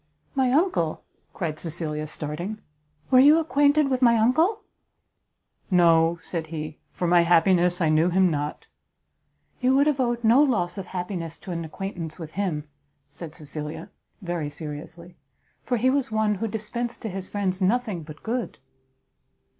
"My uncle?" cried Cecilia, starting, "were you acquainted with my uncle?" "No," said he, "for my happiness I knew him not." "You would have owed no loss of happiness to an acquaintance with him," said Cecilia, very seriously, "for he was one who dispensed to his friends nothing but good."